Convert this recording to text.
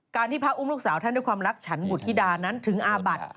ที่พระอุ้มลูกสาวท่านด้วยความรักฉันบุธิดานั้นถึงอาบัติ